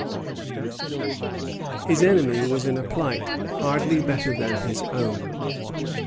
1758. His enemy was in a plight hardly better than his own.